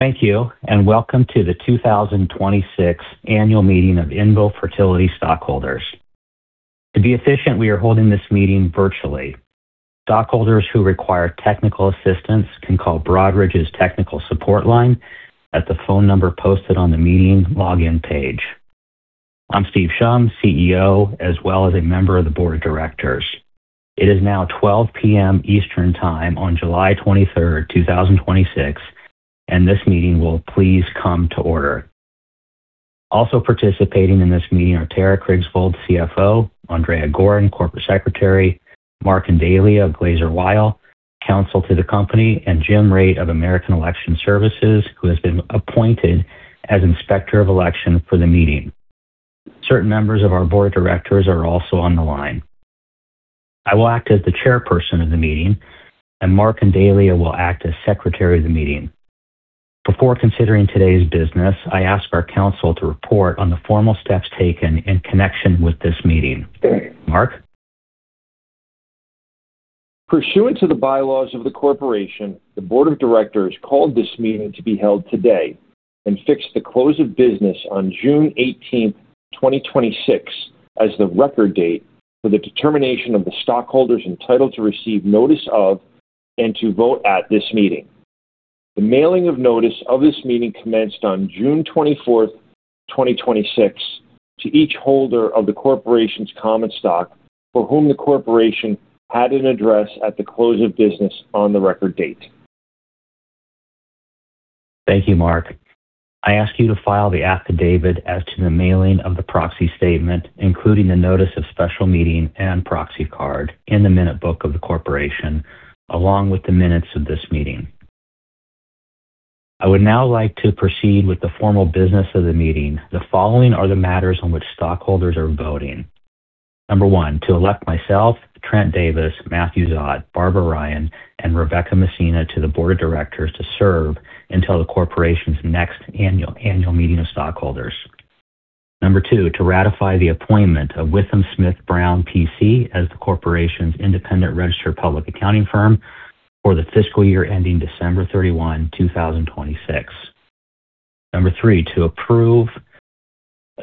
Thank you, and welcome to the 2026 annual meeting of INVO Fertility stockholders. To be efficient, we are holding this meeting virtually. Stockholders who require technical assistance can call Broadridge's technical support line at the phone number posted on the meeting login page. I'm Steve Shum, Chief Executive Officer, as well as a member of the Board of Directors. It is now 12:00 P.M. Eastern Time on July 23rd, 2026, and this meeting will please come to order. Also participating in this meeting are Terah Krigsvold, Chief Financial Officer, Andrea Goren, Corporate Secretary, Marc Indeglia of Glaser Weil, counsel to the company, and Jim Raitt of American Election Services, who has been appointed as Inspector of Election for the meeting. Certain members of our Board of Directors are also on the line. I will act as the chairperson of the meeting, and Marc Indeglia will act as secretary of the meeting, before considering today's business, I ask our counsel to report on the formal steps taken in connection with this meeting. Marc? Pursuant to the bylaws of the corporation, the Board of Directors called this meeting to be held today and fixed the close of business on June 18th, 2026, as the record date for the determination of the stockholders entitled to receive notice of and to vote at this meeting. The mailing of notice of this meeting commenced on June 24th, 2026, to each holder of the corporation's common stock for whom the corporation had an address at the close of business on the record date. Thank you, Marc. I ask you to file the affidavit as to the mailing of the proxy statement, including the notice of special meeting and proxy card in the minute book of the corporation, along with the minutes of this meeting. I would now like to proceed with the formal business of the meeting. The following are the matters on which stockholders are voting. Number one, to elect myself, Trent Davis, Matthew Szot, Barbara Ryan, and Rebecca Messina to the Board of Directors to serve until the corporation's next annual meeting of stockholders. Number two, to ratify the appointment of Withum Smith & Brown, P.C. as the corporation's independent registered public accounting firm for the fiscal year ending December 31, 2026. Number three, to approve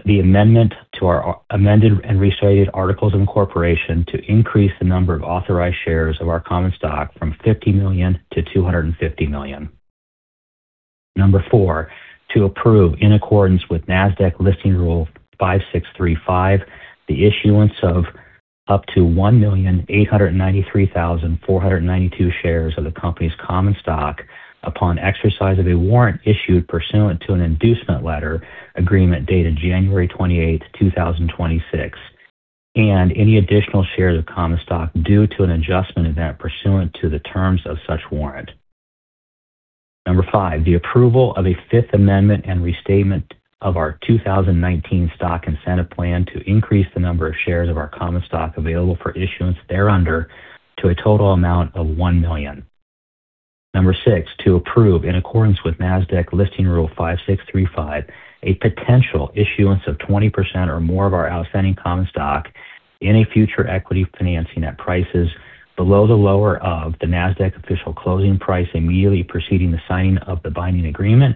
the amendment to our amended and restated articles of incorporation to increase the number of authorized shares of our common stock from $50 million to $250 million. Number four, to approve, in accordance with Nasdaq Listing Rule 5635, the issuance of up to 1,893,492 shares of the company's common stock upon exercise of a warrant issued pursuant to an inducement letter agreement dated January 28th, 2026, and any additional shares of common stock due to an adjustment event pursuant to the terms of such warrant. Number five, the approval of a fifth amendment and restatement of our 2019 Stock Incentive Plan to increase the number of shares of our common stock available for issuance thereunder to a total amount of 1 million shares. Number six, to approve, in accordance with Nasdaq Listing Rule 5635, a potential issuance of 20% or more of our outstanding common stock in a future equity financing at prices below the lower of the Nasdaq official closing price immediately preceding the signing of the binding agreement,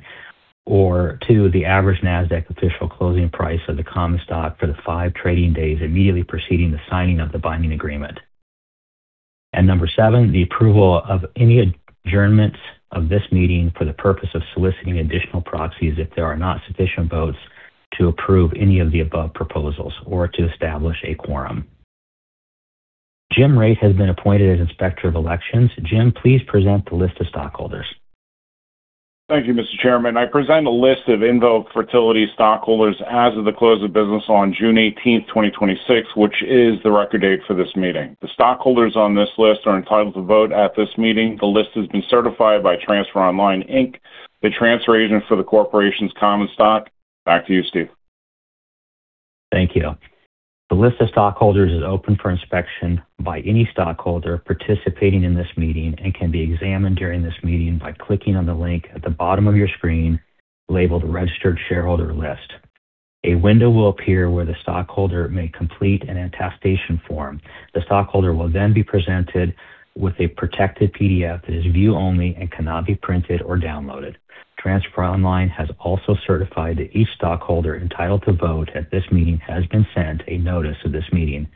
or, two, the average Nasdaq official closing price of the common stock for the five trading days immediately preceding the signing of the binding agreement. Number seven, the approval of any adjournments of this meeting for the purpose of soliciting additional proxies if there are not sufficient votes to approve any of the above proposals or to establish a quorum. Jim Raitt has been appointed as Inspector of Elections. Jim, please present the list of stockholders. Thank you, Mr. Chairman. I present a list of INVO Fertility stockholders as of the close of business on June 18th, 2026, which is the record date for this meeting. The stockholders on this list are entitled to vote at this meeting. The list has been certified by Transfer Online, Inc., the transfer agent for the corporation's common stock. Back to you, Steve. Thank you. The list of stockholders is open for inspection by any stockholder participating in this meeting and can be examined during this meeting by clicking on the link at the bottom of your screen labeled Registered Shareholder List. A window will appear where the stockholder may complete an attestation form. The stockholder will then be presented with a protected PDF that is view only and cannot be printed or downloaded. Transfer Online has also certified that each stockholder entitled to vote at this meeting has been sent a notice of this meeting,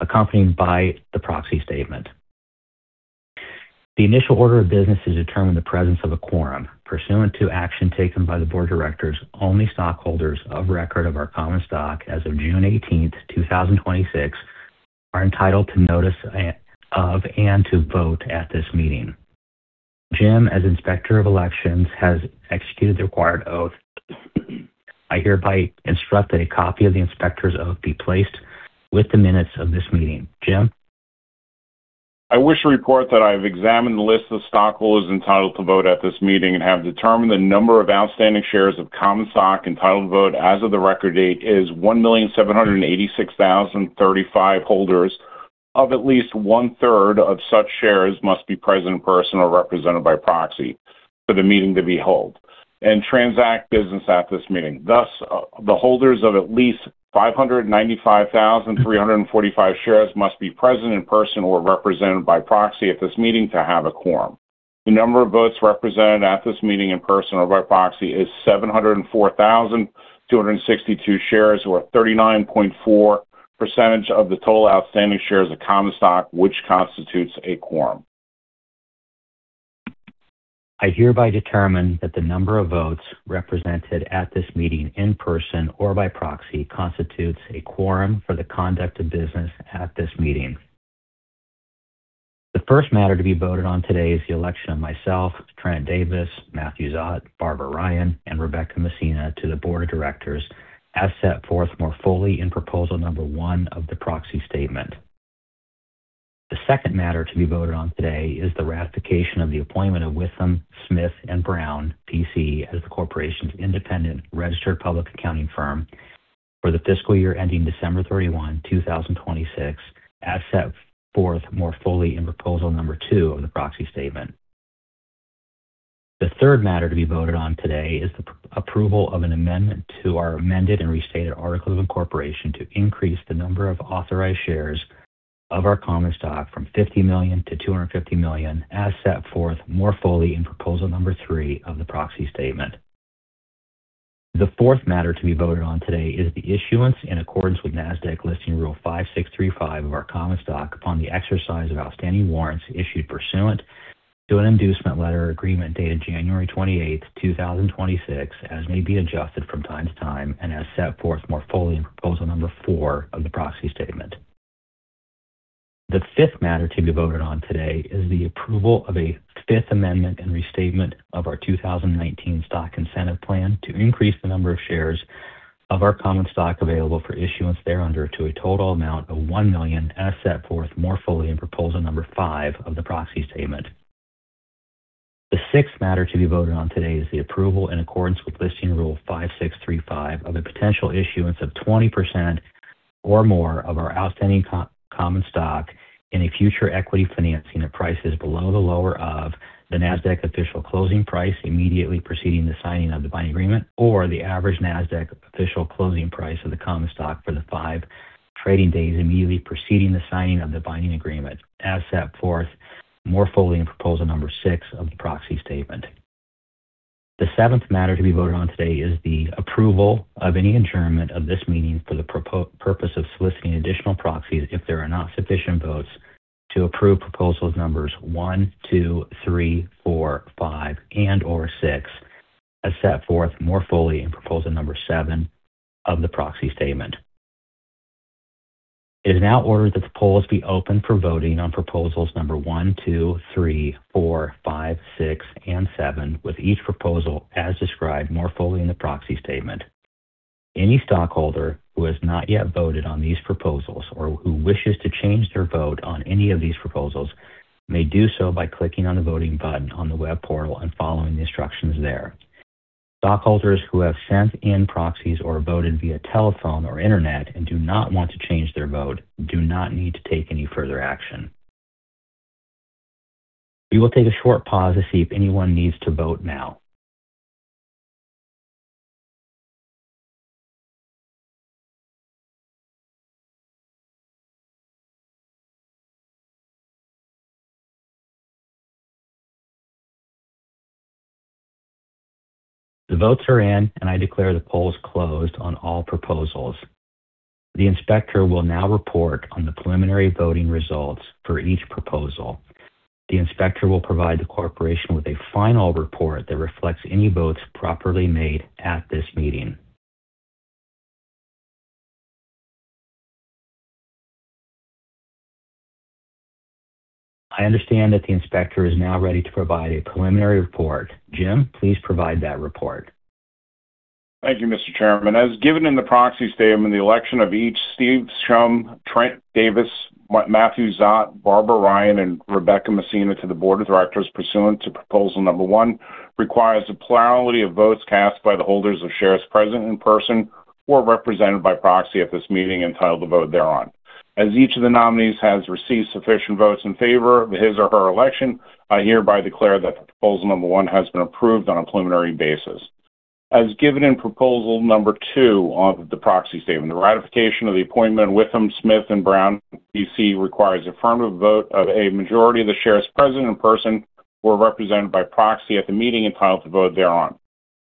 accompanied by the proxy statement. The initial order of business is to determine the presence of a quorum. Pursuant to action taken by the board of directors, only stockholders of record of our common stock as of June 18th, 2026, are entitled to notice of and to vote at this meeting. Jim, as Inspector of Elections, has executed the required oath. I hereby instruct that a copy of the Inspector's oath be placed with the minutes of this meeting. Jim? I wish to report that I have examined the list of stockholders entitled to vote at this meeting and have determined the number of outstanding shares of common stock entitled to vote as of the record date is 1,786,035. Holders of at least 1/3 of such shares must be present in person or represented by proxy for the meeting to be held and transact business at this meeting. Thus, the holders of at least 595,345 shares must be present in person or represented by proxy at this meeting to have a quorum. The number of votes represented at this meeting in person or by proxy is 704,262 shares, or 39.4% of the total outstanding shares of common stock, which constitutes a quorum. I hereby determine that the number of votes represented at this meeting in person or by proxy constitutes a quorum for the conduct of business at this meeting. The first matter to be voted on today is the election of myself, Trent Davis, Matthew Szot, Barbara Ryan, and Rebecca Messina to the board of directors as set forth more fully in proposal number one of the proxy statement. The second matter to be voted on today is the ratification of the appointment of Withum Smith & Brown, P.C. as the corporation's independent registered public accounting firm for the fiscal year ending December 31, 2026, as set forth more fully in proposal number two of the proxy statement. The third matter to be voted on today is the approval of an amendment to our amended and restated articles of incorporation to increase the number of authorized shares of our common stock from 50 million-250 million, as set forth more fully in proposal number three of the proxy statement. The fourth matter to be voted on today is the issuance, in accordance with Nasdaq Listing Rule 5635 of our common stock upon the exercise of outstanding warrants issued pursuant to an inducement letter agreement dated January 28th, 2026, as may be adjusted from time to time, and as set forth more fully in proposal number four of the proxy statement. The fifth matter to be voted on today is the approval of a fifth amendment and restatement of our 2019 Stock Incentive Plan to increase the number of shares of our common stock available for issuance thereunder to a total amount of 1 million shares, as set forth more fully in proposal number five of the proxy statement. The sixth matter to be voted on today is the approval in accordance with Nasdaq Listing Rule 5635 of a potential issuance of 20% or more of our outstanding common stock in a future equity financing at prices below the lower of the Nasdaq official closing price immediately preceding the signing of the buying agreement, or the average Nasdaq official closing price of the common stock for the five trading days immediately preceding the signing of the binding agreement, as set forth more fully in proposal number six of the proxy statement. The seventh matter to be voted on today is the approval of any adjournment of this meeting for the purpose of soliciting additional proxies if there are not sufficient votes to approve Proposals Number 1, Proposals Number 2, Proposals Number 3, Proposals Number 4, Proposals Number 5, and/or Proposals Number 6, as set forth more fully in proposal number seven of the proxy statement. It is now ordered that the polls be opened for voting on Proposal Number 1, Proposal Number 2, Proposal Number 3, Proposal Number 4, Proposal Number 5, Proposal Number 6, and Proposal Number 7, with each proposal as described more fully in the proxy statement. Any stockholder who has not yet voted on these proposals or who wishes to change their vote on any of these proposals may do so by clicking on the voting button on the web portal and following the instructions there. Stockholders who have sent in proxies or voted via telephone or internet and do not want to change their vote do not need to take any further action. We will take a short pause to see if anyone needs to vote now. The votes are in, and I declare the polls closed on all proposals. The inspector will now report on the preliminary voting results for each proposal. The inspector will provide the corporation with a final report that reflects any votes properly made at this meeting. I understand that the inspector is now ready to provide a preliminary report. Jim, please provide that report. Thank you, Mr. Chairman. As given in the proxy statement, the election of each Steve Shum, Trent Davis, Matthew Szot, Barbara Ryan, and Rebecca Messina to the board of directors pursuant to proposal number one requires a plurality of votes cast by the holders of shares present in person or represented by proxy at this meeting entitled to vote thereon. As each of the nominees has received sufficient votes in favor of his or her election, I hereby declare that proposal number one has been approved on a preliminary basis. As given in proposal number two of the proxy statement, the ratification of the appointment of Withum Smith & Brown, P.C. requires affirmative vote of a majority of the shares present in person or represented by proxy at the meeting entitled to vote thereon.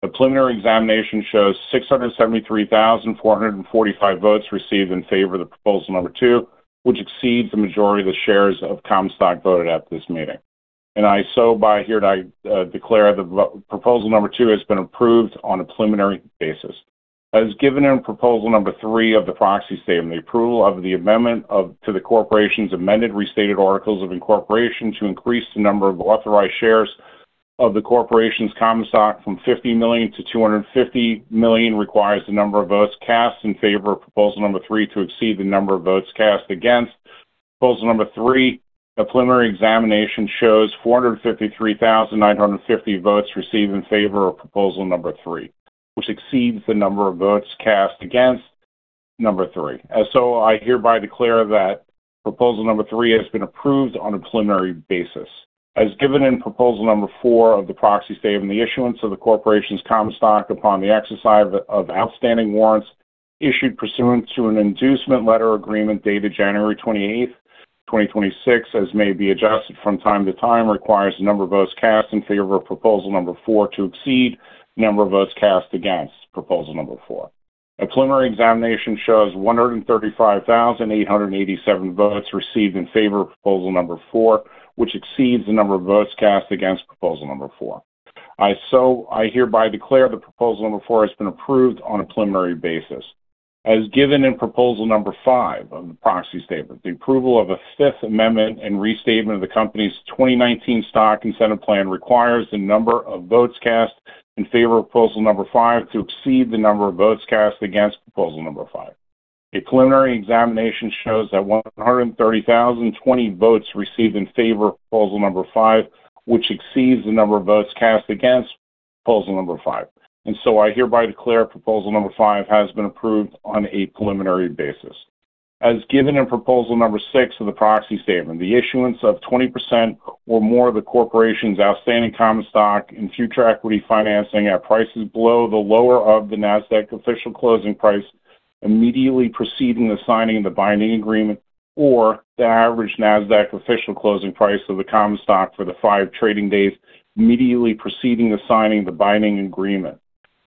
The preliminary examination shows 673,445 votes received in favor of Proposal Number 2, which exceeds the majority of the shares of common stock voted at this meeting. I hereby declare that Proposal Number 2 has been approved on a preliminary basis. As given in Proposal Number 3 of the proxy statement, the approval of the amendment to the corporation's amended restated articles of incorporation to increase the number of authorized shares of the corporation's common stock from 50 million shares-250 million shares requires the number of votes cast in favor of Proposal Number 3 to exceed the number of votes cast against Proposal Number 3. A preliminary examination shows 453,950 votes received in favor of Proposal Number 3, which exceeds the number of votes cast against Proposal Number 3. I hereby declare that Proposal Number 3 has been approved on a preliminary basis. As given in Proposal Number 4 of the proxy statement, the issuance of the corporation's common stock upon the exercise of outstanding warrants issued pursuant to an inducement letter agreement dated January 28, 2026, as may be adjusted from time to time, requires the number of votes cast in favor of Proposal Number 4 to exceed the number of votes cast against Proposal Number 4. A preliminary examination shows 135,887 votes received in favor of Proposal Number 4, which exceeds the number of votes cast against Proposal Number 4. I hereby declare that Proposal Number 4 has been approved on a preliminary basis. As given in Proposal Number 5 of the proxy statement, the approval of a fifth amendment and restatement of the company's 2019 Stock Incentive Plan requires the number of votes cast in favor of Proposal Number 5 to exceed the number of votes cast against Proposal Number 5. A preliminary examination shows that 130,020 votes received in favor of Proposal Number 5, which exceeds the number of votes cast against Proposal Number 5. I hereby declare Proposal Number 5 has been approved on a preliminary basis. As given in Proposal Number 6 of the proxy statement, the issuance of 20% or more of the corporation's outstanding common stock and future equity financing at prices below the lower of the Nasdaq official closing price immediately preceding the signing of the binding agreement, or the average Nasdaq official closing price of the common stock for the five trading days immediately preceding the signing of the binding agreement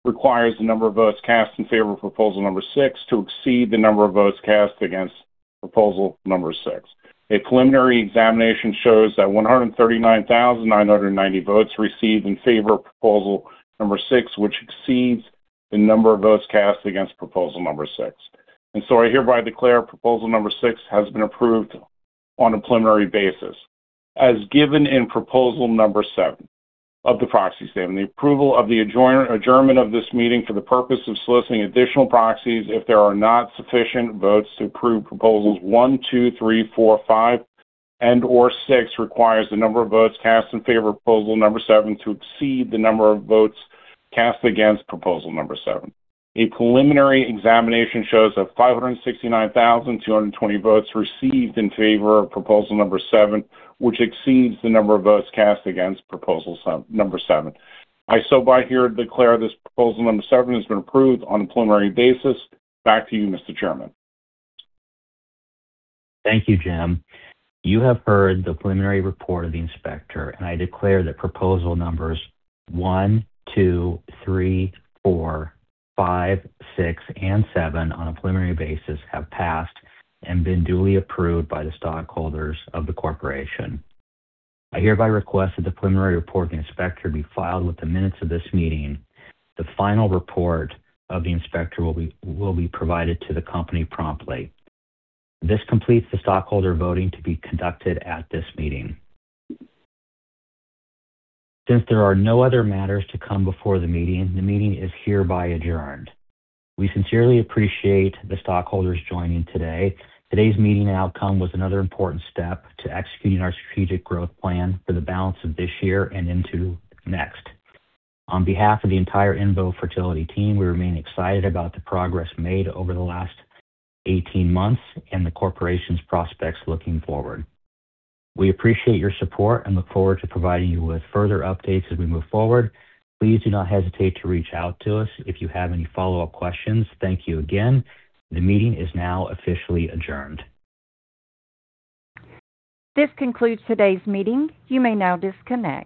requires the number of votes cast in favor of Proposal Number 6 to exceed the number of votes cast against Proposal Number 6. A preliminary examination shows that 139,990 votes received in favor of Proposal Number 6, which exceeds the number of votes cast against Proposal Number 6. I hereby declare Proposal Number 6 has been approved on a preliminary basis. As given in Proposal Number 7 of the proxy statement, the approval of the adjournment of this meeting for the purpose of soliciting additional proxies if there are not sufficient votes to approve proposals Proposal Number 1, Proposal Number 2, Proposal Number 3, Proposal Number 4, Proposal Number 5, and/or Proposal Number 6 requires the number of votes cast in favor of Proposal Number 7 to exceed the number of votes cast against Proposal Number 7. A preliminary examination shows that 569,220 votes received in favor of Proposal Number 7, which exceeds the number of votes cast against Proposal Number 7. I hereby declare this Proposal Number 7 has been approved on a preliminary basis. Back to you, Mr. Chairman. Thank you, Jim. You have heard the preliminary report of the inspector. I declare that Proposal Number 1, Proposal Number 2, Proposal Number 3, Proposal Number 4, Proposal Number 5, Proposal Number 6, and Proposal Number 7 on a preliminary basis have passed and been duly approved by the stockholders of the corporation. I hereby request that the preliminary report of the inspector be filed with the minutes of this meeting. The final report of the inspector will be provided to the company promptly. This completes the stockholder voting to be conducted at this meeting. There are no other matters to come before the meeting, the meeting is hereby adjourned. We sincerely appreciate the stockholders joining today. Today's meeting outcome was another important step to executing our strategic growth plan for the balance of this year and into next. On behalf of the entire INVO Fertility team, we remain excited about the progress made over the last 18 months and the corporation's prospects looking forward. We appreciate your support and look forward to providing you with further updates as we move forward. Please do not hesitate to reach out to us if you have any follow-up questions. Thank you again. The meeting is now officially adjourned. This concludes today's meeting. You may now disconnect